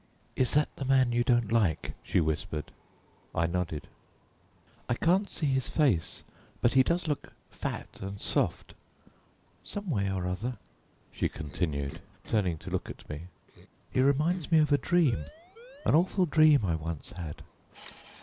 "Is that the man you don't like?" she whispered. I nodded. "I can't see his face, but he does look fat and soft. Someway or other," she continued, turning to look at me, "he reminds me of a dream, an awful dream I once had.